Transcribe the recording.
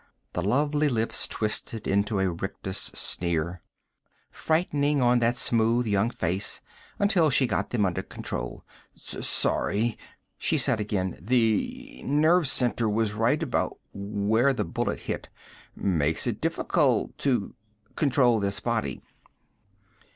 The lovely lips twisted into a rictus sneer, frightening on that smooth young face, until she got them under control. "Sorry," she said again. "The nerve center was right about where the bullet hit. Makes it difficult to control this body."